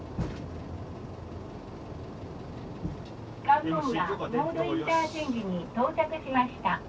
「甲浦モードインターチェンジに到着しました。